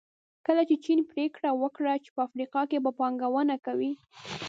کله چې چین پریکړه وکړه چې په افریقا کې به پانګونه کوي.